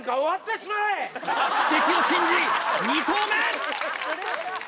奇跡を信じ、２投目！